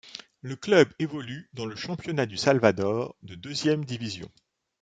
Le club évolue dans le championnat du Salvador de deuxième division.